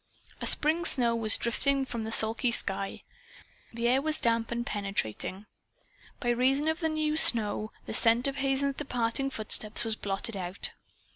A spring snow was drifting down from the sulky sky. The air was damp and penetrating. By reason of the new snow the scent of Hazen's departing footsteps was blotted out.